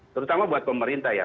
terutama buat pemerintah ya